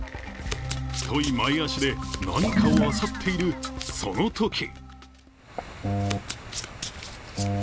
太い前足で、何かをあさっているそのとき。